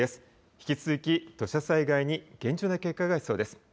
引き続き土砂災害に厳重な警戒が必要です。